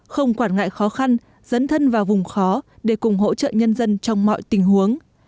không quản ngại khó khăn dấn thân vào vùng khó để cùng hỗ trợ nhân dân trong mọi tình huống